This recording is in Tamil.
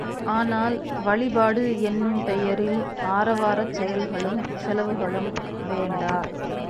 ஆனால், வழிபாடு என்னும் பெயரில், ஆரவாரச் செயல்களும் செலவுகளும் வேண்டா.